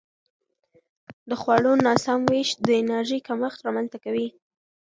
د خوړو ناسم وېش د انرژي کمښت رامنځته کوي.